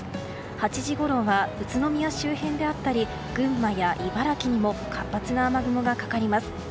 ８時頃は宇都宮周辺であったり群馬や茨城にも活発な雨雲がかかります。